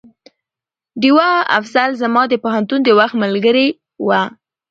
ډيوه افصل زما د پوهنتون د وخت ملګرې وه